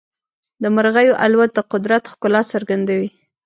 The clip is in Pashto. د مرغیو الوت د قدرت ښکلا څرګندوي.